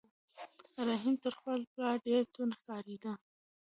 رحیم تر خپل پلار ډېر توند ښکارېده.